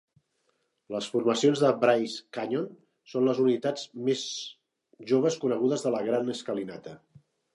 Les formacions de Bryce Canyon són les unitats més joves conegudes de la Gran Escalinata.